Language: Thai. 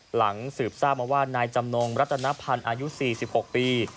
หลังสืบทราบมาว่านายจำนงรัตนพันธ์อายุ๔๖ปี